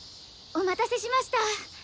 お待たせしました！